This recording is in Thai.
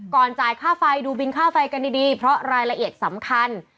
จ่ายค่าไฟดูบินค่าไฟกันดีเพราะรายละเอียดสำคัญ